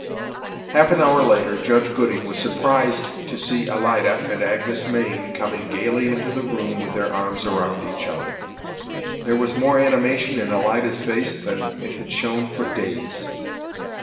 Half an hour later Judge Gooding was surprised to see Alida and Agnes Mayne coming gaily into the room with their arms around each other. There was more animation in Alida's face than it had shown for days.